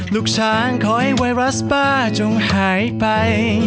ลูกชายขอให้ไวรัสป้าจงหายไป